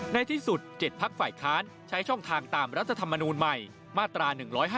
ในที่สุด๗พักฝ่ายค้านใช้ช่องทางตามรัฐธรรมนูลใหม่มาตรา๑๕